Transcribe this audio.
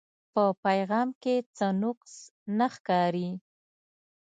پۀ پېغام کښې څۀ نقص نۀ ښکاري